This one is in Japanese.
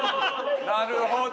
なるほど。